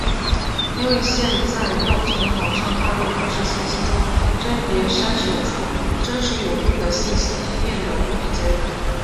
因为现在要从网上大量不实信息中甄别筛选出真实有用的信息已变的无比艰难。